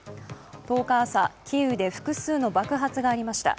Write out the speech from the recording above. １０日朝、キーウで複数の爆発がありました。